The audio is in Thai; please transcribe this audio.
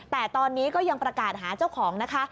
แต่ตอนนี้ก็ยังประกาศหาเจ้าของนะคะ